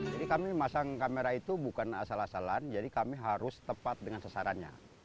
jadi kami masang kamera itu bukan asal asalan jadi kami harus tepat dengan sasarannya